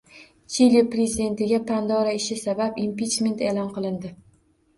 Chili prezidentiga “Pandora ishi” sabab impichment e’lon qilindi